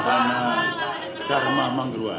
tanpa dharma menggerua